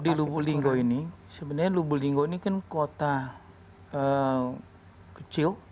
kalau di lubu linggau ini sebenarnya lubu linggau ini kan kota kecil